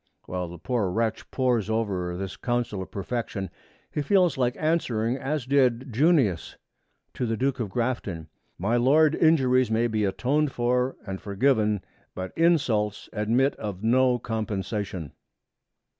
While the poor wretch pores over this counsel of perfection, he feels like answering as did Junius to the Duke of Grafton, 'My Lord, injuries may be atoned for and forgiven, but insults admit of no compensation.'